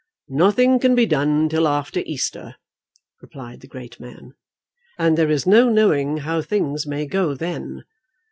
"Nothing can be done till after Easter," replied the great man, "and there is no knowing how things may go then.